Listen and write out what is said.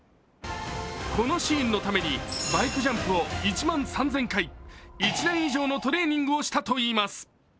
このシーンのためにバイクジャンプを１万３０００回、１年以上のトレーニングをしたといいます。